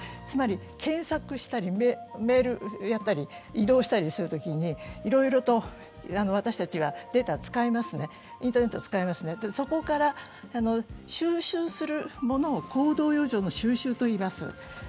つまり検索したり、メールやったり移動したりするときに、いろいろと私たちがデータを使いますね、インターネットを使いますね、そこから収集するものを行動余剰の収集といいます。